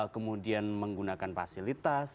kemudian menggunakan fasilitas